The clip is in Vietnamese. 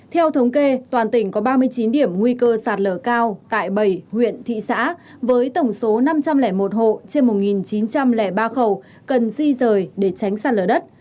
theo thống kê toàn tỉnh có ba mươi chín điểm nguy cơ sạt lở cao tại bảy huyện thị xã với tổng số năm trăm linh một hộ trên một chín trăm linh ba khẩu cần di rời để tránh sạt lở đất